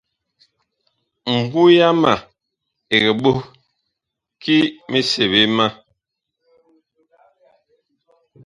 Mbu yama ɛg ɓoh ki miseɓe a nlɛɛ.